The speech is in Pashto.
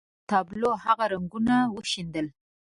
د ژوند پر تابلو هغه رنګونه وشيندل.